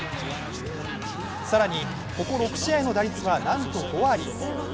更にここ６試合の打率はなんと５割。